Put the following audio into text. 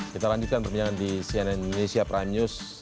kita lanjutkan perbincangan di cnn indonesia prime news